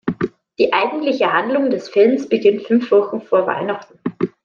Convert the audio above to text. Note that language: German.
Die eigentliche Handlung des Films beginnt fünf Wochen vor Weihnachten.